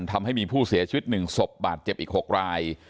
ทำให้มีผู้เสียชีวิต๑ศพบาดเจ็บอีก๖ราย